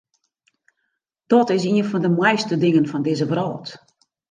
Dat is ien fan de moaiste dingen fan dizze wrâld.